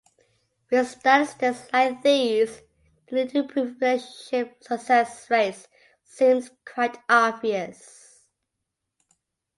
With statistics like these, the need to improve relationship success rates seems quite obvious.